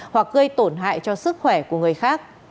hoặc gây tổn hại cho sức khỏe của người khác